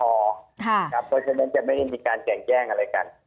เพราะฉะนั้นจะไม่ได้มีการแกล้งอะไรกัน